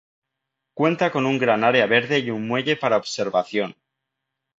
Cuenta con un gran área verde y un muelle para observación.